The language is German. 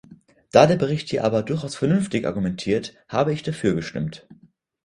Da der Bericht hier aber durchaus vernünftig argumentiert, habe ich dafür gestimmt.